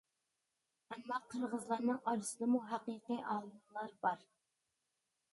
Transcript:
ئەمما قىرغىزلارنىڭ ئارىسىدىمۇ ھەقىقىي ئالىملار بار.